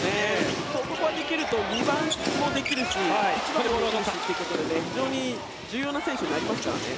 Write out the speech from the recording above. ここができるとほかのところもできるしということで非常に重要な選手になりますからね。